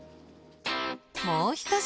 もう一品。